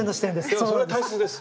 それは大切です。